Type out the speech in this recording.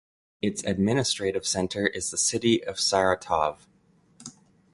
Its administrative center is the city of Saratov.